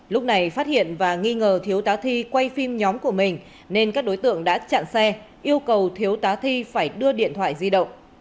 lúc này phát hiện và nghi ngờ thiếu tá thi quay phim nhóm của mình nên các đối tượng đã chặn xe yêu cầu thiếu tá thi phải đưa điện thoại di động